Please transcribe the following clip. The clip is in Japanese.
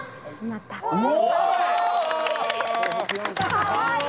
かわいい！